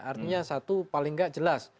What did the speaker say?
artinya satu paling tidak jelas